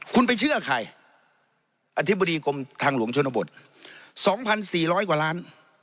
คุณไปเชื่อใครอธิบดีกรมทางหลวงชนบท๒๔๐๐กว่าล้าน